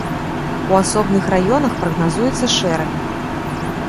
У асобных раёнах прагназуецца шэрань.